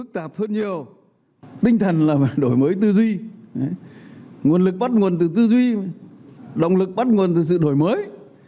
tinh thần là phải đổi mới tư duy nguồn lực bắt nguồn từ tư duy động lực bắt nguồn từ sự đổi mới